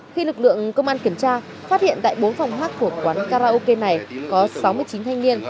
khi lực lượng công an kiểm tra phát hiện tại bốn phòng hát của quán karaoke này có sáu mươi chín thanh niên